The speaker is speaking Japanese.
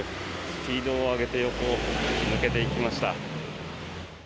スピードを上げて横を抜けていきました。